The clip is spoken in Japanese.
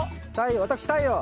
私太陽！